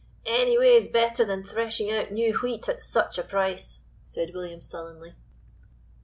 "Any way is better than threshing out new wheat at such a price," said William sullenly.